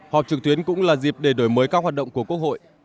họp trực tuyến cũng là dịp để đổi mới các hoạt động của quốc hội